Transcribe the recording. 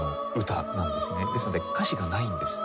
ですので歌詞がないんです。